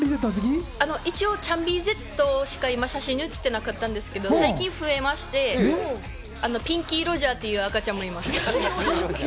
一応、ちゃんＢＺしか写真に写ってなかったんですけど最近増えまして、ピンキーロジャーっていう赤ちゃんもいます。